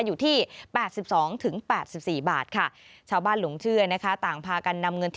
อยู่ที่๘๒๘๔บาทค่ะ